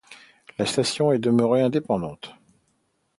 La station est demeurée indépendante.